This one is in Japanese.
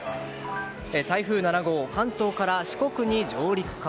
台風７号、関東から四国に上陸か。